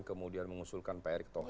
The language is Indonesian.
kemudian mengusulkan pak erik tohe